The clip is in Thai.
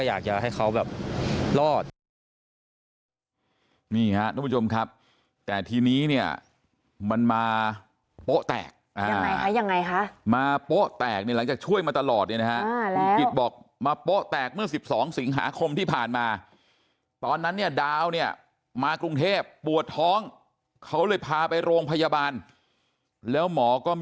อยากจะให้เขาแบบรอดนะครับทุกผู้ชมครับแต่ทีนี้เนี่ยมันมาป๊อแตก